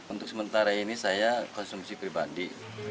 untuk sementara ini saya konsumsi pribadi